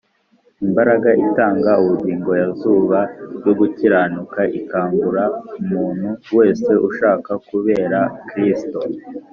imbaraga itanga ubugingo ya zuba ryo gukiranuka ikangura umuntu wese ushaka kubera kristo